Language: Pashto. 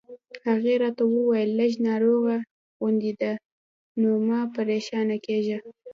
هغې راته وویل: لږ ناروغه غوندې ده، نو مه پرېشانه کېږه.